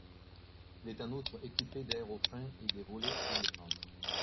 Il est en outre équipé d'aérofreins et des volets à double fente.